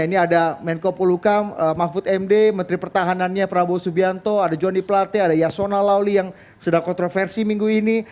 ini ada menko polukam mahfud md menteri pertahanannya prabowo subianto ada johnny plate ada yasona lawli yang sedang kontroversi minggu ini